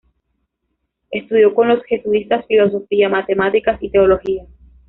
Estudió con los jesuitas filosofía, matemáticas y teología.